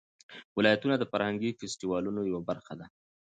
ولایتونه د فرهنګي فستیوالونو یوه برخه ده.